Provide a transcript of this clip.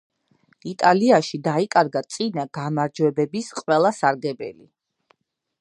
იტალიაში დაიკარგა წინა გამარჯვებების ყველა სარგებელი.